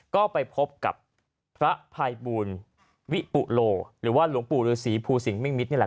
ก็ไปพบกับพระภัยบูรณ์วิปุโลหรือว่าหลวงปู่ฤษีภูศิงร์มิ่งมิตร